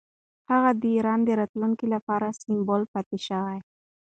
هغه د ایران د راتلونکي لپاره سمبول پاتې شوی.